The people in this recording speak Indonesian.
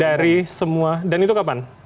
dari semua dan itu kapan